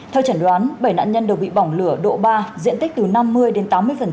theo chẩn đoán bảy nạn nhân đều bị bỏng lửa độ ba diện tích từ năm mươi đến tám mươi